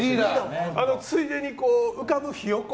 ついでに浮かぶヒヨコ。